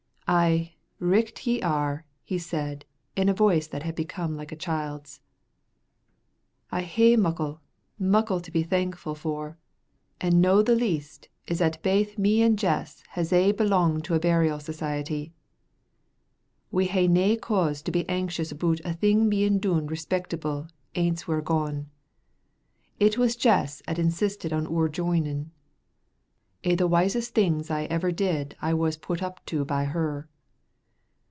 "Ay, richt ye are," he said, in a voice that had become a child's; "I hae muckle, muckle to be thankfu' for, an' no the least is 'at baith me an' Jess has aye belonged to a bural society. We hae nae cause to be anxious aboot a' thing bein' dune respectable aince we're gone. It was Jess 'at insisted on oor joinin': a' the wisest things I ever did I was put up to by her."